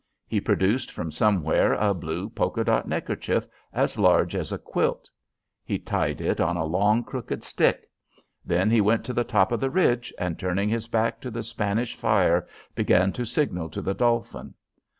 He produced from somewhere a blue polka dot neckerchief as large as a quilt. He tied it on a long, crooked stick. Then he went to the top of the ridge, and turning his back to the Spanish fire, began to signal to the Dolphin.